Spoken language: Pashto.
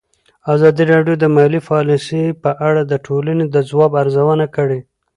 ازادي راډیو د مالي پالیسي په اړه د ټولنې د ځواب ارزونه کړې.